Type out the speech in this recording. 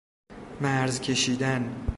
مرز کشیدن